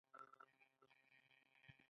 آیا چې کار نه کوي؟